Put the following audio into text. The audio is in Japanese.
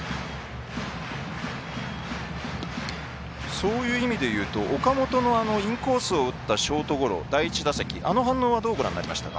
そういう意味でいうと岡本のインコースを打ったショートゴロ第１打席、あの反応はどうご覧になりましたか。